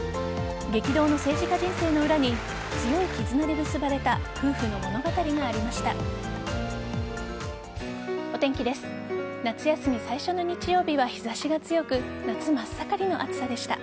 激動の政治家人生の裏に強い絆で結ばれた夫婦の物語がありました。